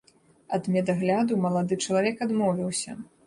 Ад медагляду малады чалавек адмовіўся.